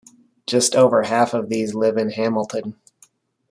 Just over half of these live in Hamilton.